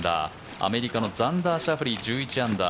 アメリカのザンダー・シャフリー１１アンダー